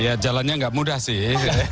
ya jalannya nggak mudah sih